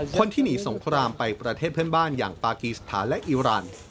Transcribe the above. คนที่หนีสงครามไปประเทศเพื่อนบ้านอย่างปากีสถานและอิรัน